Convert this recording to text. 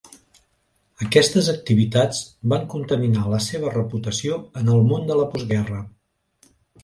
Aquestes activitats van contaminar la seva reputació en el món de la postguerra.